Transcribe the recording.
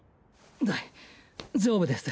大丈夫です。